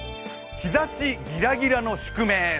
日ざしギラギラの宿命。